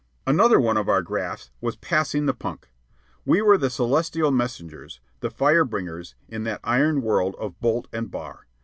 Another one of our grafts was "passing the punk." We were the celestial messengers, the fire bringers, in that iron world of bolt and bar.